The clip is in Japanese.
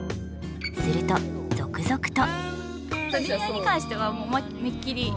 すると続々と。